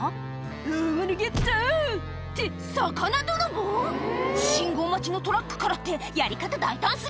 「大物ゲット」って魚泥棒⁉信号待ちのトラックからってやり方大胆過ぎ！